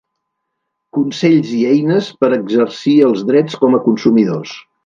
Consells i eines per exercir els drets com a consumidors.